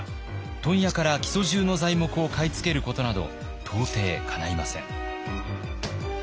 問屋から木曽じゅうの材木を買い付けることなど到底かないません。